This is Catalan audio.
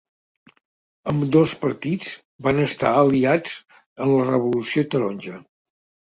Ambdós partits van estar aliats en la Revolució Taronja.